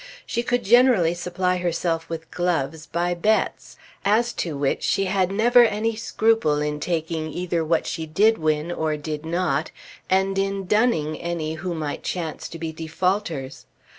She could generally supply herself with gloves by bets, as to which she had never any scruple in taking either what she did win or did not, and in dunning any who might chance to be defaulters.